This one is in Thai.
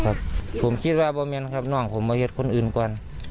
ครับผมคิดว่าไม่มีไงนะครับนอกผมว่าเค็ดคนอื่นก่อน